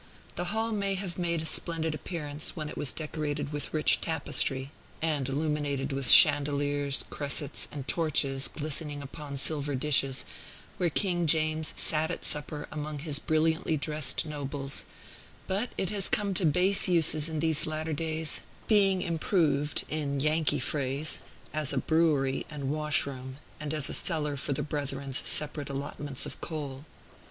The hall may have made a splendid appearance, when it was decorated with rich tapestry, and illuminated with chandeliers, cressets, and torches glistening upon silver dishes, where King James sat at supper among his brilliantly dressed nobles; but it has come to base uses in these latter days, being improved, in Yankee phrase, as a brewery and wash room, and as a cellar for the brethren's separate allotments of coal.